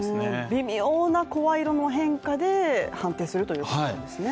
微妙な声色の変化で判定するということなんですね。